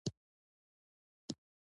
تنور د مسافر یادونه راولي